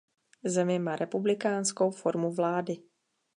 Země má republikánskou formu vlády.